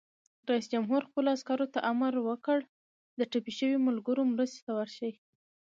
رئیس جمهور خپلو عسکرو ته امر وکړ؛ د ټپي شویو ملګرو مرستې ته ورشئ!